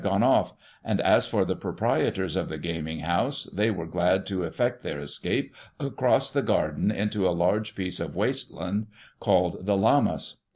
163 gone off; and, as for the proprietors of the gaming house, they were glad to effect their escape, across the garden, into a large piece of waste land, called the Lammas.